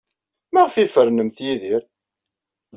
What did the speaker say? Maɣef ay fernemt Yidir?